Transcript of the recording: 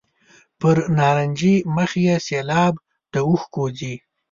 پر نارنجي مخ مې سېلاب د اوښکو ځي.